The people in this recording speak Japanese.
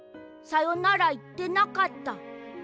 さよならいってなかった。